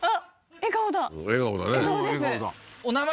笑顔だ